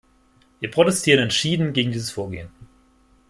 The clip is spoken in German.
Wir protestieren entschieden gegen dieses Vorgehen.